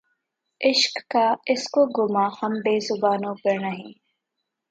عشق کا‘ اس کو گماں‘ ہم بے زبانوں پر نہیں